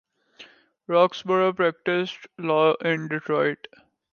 Roxborough practiced law in Detroit.